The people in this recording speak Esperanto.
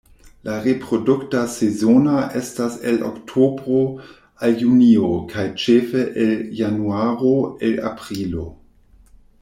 La reprodukta sezono estas el oktobro al junio kaj ĉefe el januaro al aprilo.